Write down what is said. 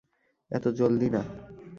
এত জলদি না।